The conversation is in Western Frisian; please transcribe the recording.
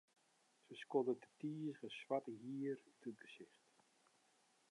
Se skoddet it tizige swarte hier út it gesicht.